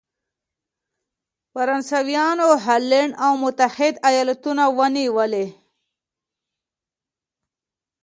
فرانسویانو هالنډ او متحد ایالتونه ونیولې.